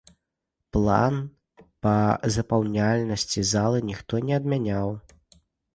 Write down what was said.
План па запаўняльнасці залы ніхто не адмяняў.